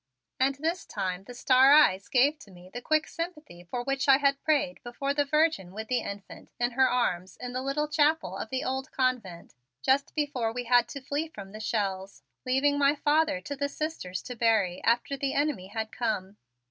And this time the star eyes gave to me the quick sympathy for which I had prayed before the Virgin with the Infant in her arms in the little chapel of the old convent just before we had to flee from the shells, leaving my father to the Sisters to bury after the enemy had come.